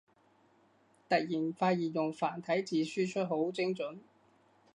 突然發現用繁體字輸出好精准